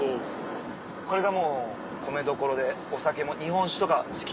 これがもう米どころでお酒も日本酒とか好き。